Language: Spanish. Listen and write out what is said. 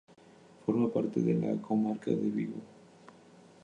Forma parte de la comarca de Vigo.